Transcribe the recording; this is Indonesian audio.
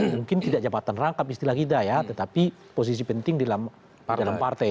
mungkin tidak jabatan rangkap istilah kita ya tetapi posisi penting di dalam partai